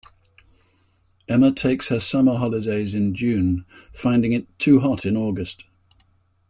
Emma takes her summer holidays in June, finding it too hot in August